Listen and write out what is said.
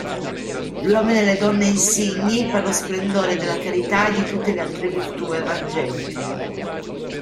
Gli uomini e le donne insigni per lo splendore della carità e di tutte le altre virtù evangeliche.